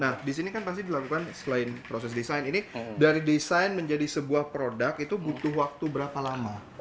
nah di sini kan pasti dilakukan selain proses desain ini dari desain menjadi sebuah produk itu butuh waktu berapa lama